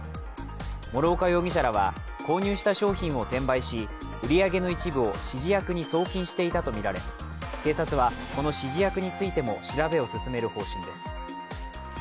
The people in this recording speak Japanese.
諸岡容疑者らは購入した商品を転売し、売り上げの一部を指示役に送金していたとみられ、警察はこの指示役についても調べを進める方針です。